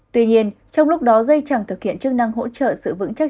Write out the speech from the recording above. tuy nhiên trong lúc đó dây chẳng thực hiện chức năng hỗ trợ sự vững chắc